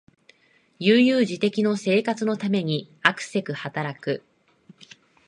悠々自適の生活のためにあくせく働く